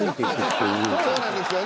そうなんですよね。